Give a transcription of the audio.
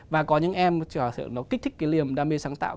và có những em nó kích thích cái liềm đam mê sáng tạo